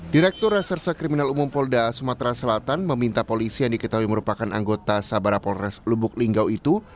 direktur reserse kriminal umum polda sumatera selatan meminta polisi yang diketahui merupakan anggota sabara polres lubuk linggau itu